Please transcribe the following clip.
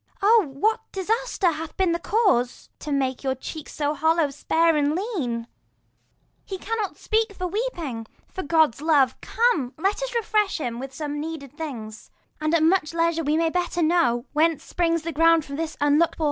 35 Oh, what disaster chance hath been the cause, To make your cheeks so hollow, spare and lean ? He cannot speak for weeping : for God's love, come,,,, Let us refresh him with some needful things, And at more leisure we may better know, 40 Whence springs the ground of this unlook'd for woe.